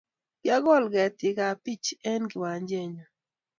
kiakol ketitab peach eng kiwanjee nyuu